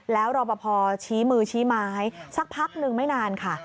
แล้วรอปภชี้มือชี้ไม้สักพักนึงไม่นานค่ะ